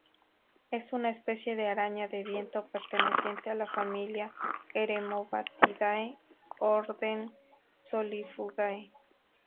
Es una especie de araña de viento perteneciente a la familia Eremobatidae orden Solifugae.